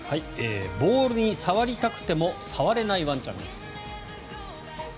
ボールに触れたくても触れないワンちゃんです。